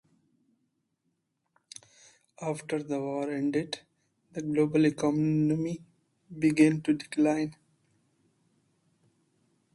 After the war ended, the global economy began to decline.